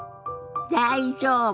「大丈夫？」。